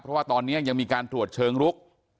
เพราะว่าตอนนี้ยังมีการตรวจเชิงลุก